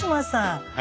はい。